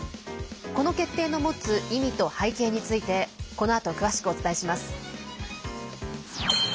この決定の持つ意味と背景についてこのあと、詳しくお伝えします。